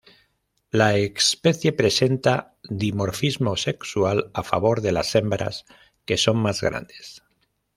La especie presenta dimorfismo sexual a favor de las hembras, que son más grandes.